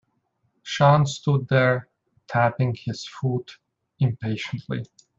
Sean stood there tapping his foot impatiently.